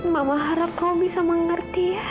mama harap kau bisa mengerti ya